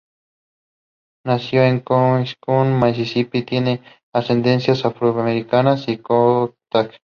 Nacido en Kosciusko, Misisipi, tiene ascendencia afroamericana y choctaw.